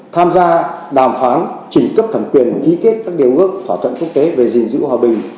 tham gia đàm phán chỉnh cấp thẩm quyền ký kết các điều hước thỏa thuận quốc tế về di dịu hòa bình